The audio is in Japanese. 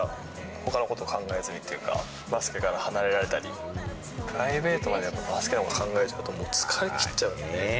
ほかのことを考えずにというか、バスケから離れられたり、プライベートまでバスケのこと考えちゃうと、もう疲れ切っちゃうんで。